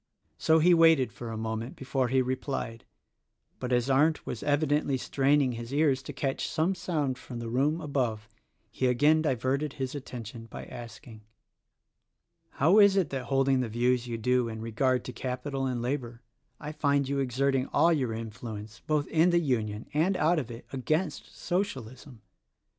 So he waited for a moment before he replied; but as Arndt was evidently straining his ears to catch some sound from the room above he again diverted his attention by asking, "How is it that holding the views you do in regard to capital and labor I find you exerting all your influence, both in the Union and out of it, against Socialism?